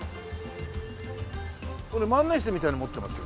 これ万年筆みたいなの持ってますけど。